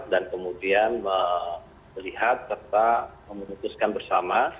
dan kemudian melihat serta memutuskan bersama